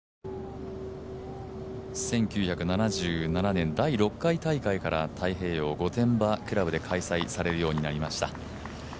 １９７７年、第６回大会から太平洋クラブ御殿場クラブで開催されるようになりました。